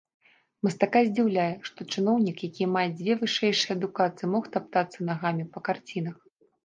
Мастака здзіўляе, што чыноўнік, які мае дзве вышэйшыя адукацыі, мог таптацца нагамі па карцінах.